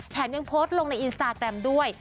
ยังโพสต์ลงในอินสตาแกรมด้วย